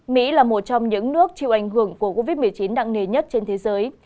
mỹ là một trong những nước chịu ảnh hưởng của covid một mươi chín nặng nề nhất trên thế giới